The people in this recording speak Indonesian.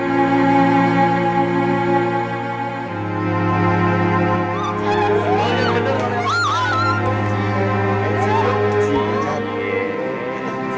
pak kok ibu belum dateng